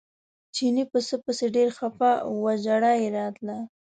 چیني پسه پسې ډېر خپه و ژړا یې راتله.